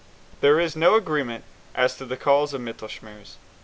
There is no agreement as to the cause of Mittelschmerz.